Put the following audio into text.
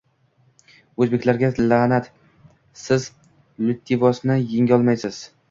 O‘zbeklarga la’nat, siz Luttivosni yengolmaysiz